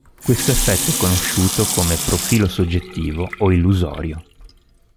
Questo effetto è conosciuto come "profilo soggettivo" o "illusorio".